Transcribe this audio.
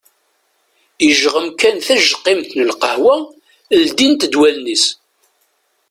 Yejɣem kan tijeqqimt n lqahwa ldint-d wallen-is.